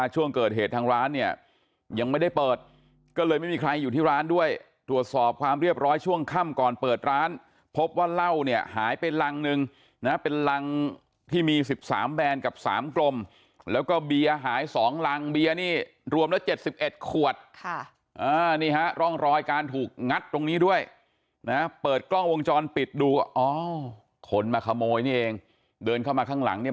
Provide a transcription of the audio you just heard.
ช่วงเกิดเหตุทางร้านเนี่ยยังไม่ได้เปิดก็เลยไม่มีใครอยู่ที่ร้านด้วยตรวจสอบความเรียบร้อยช่วงค่ำก่อนเปิดร้านพบว่าเหล้าเนี่ยหายไปรังนึงนะเป็นรังที่มี๑๓แบรนด์กับ๓กลมแล้วก็เบียร์หาย๒รังเบียร์นี่รวมแล้ว๗๑ขวดนี่ฮะร่องรอยการถูกงัดตรงนี้ด้วยนะเปิดกล้องวงจรปิดดูอ๋อคนมาขโมยนี่เองเดินเข้ามาข้างหลังเนี่ย